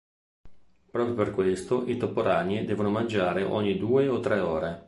Proprio per questo i toporagni devono mangiare ogni due o tre ore.